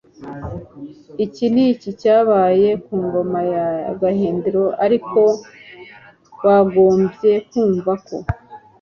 iki n'iki cyabaye ku ngoma ya gahindiro ariko, wagombye kumva ko